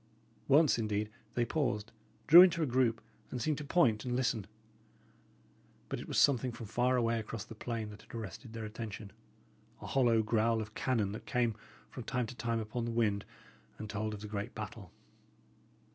Once, indeed, they paused, drew into a group, and seemed to point and listen. But it was something from far away across the plain that had arrested their attention a hollow growl of cannon that came, from time to time, upon the wind, and told of the great battle.